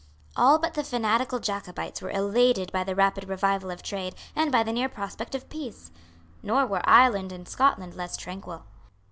All but the fanatical Jacobites were elated by the rapid revival of trade and by the near prospect of peace. Nor were Ireland and Scotland less tranquil.